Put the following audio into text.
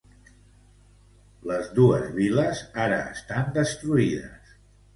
Les dos vil·les ara estan destruïdes.